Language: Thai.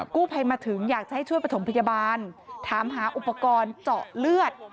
กู้ภัยมาถึงอยากจะให้ช่วยประถมพยาบาลถามหาอุปกรณ์เจาะเลือด